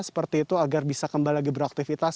seperti itu agar bisa kembali lagi beraktivitas